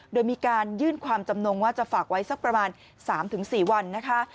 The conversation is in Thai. โดยมีการยื่นความจำนงว่าจะฝากไว้สักประมาณ๓๔วันนะคะ